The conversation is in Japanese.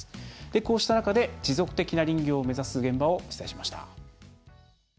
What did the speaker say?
こうした中で持続的な林業を目指す現場を取材しました。